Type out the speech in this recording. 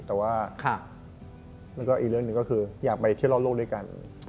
อีกเรื่องหนึ่งก็คืออยากไปเที่ยวเล่าโลกด้วยกัน